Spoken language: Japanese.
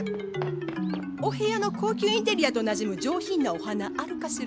お部屋の高級インテリアとなじむ上品なお花あるかしら？